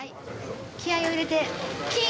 気合を入れて金！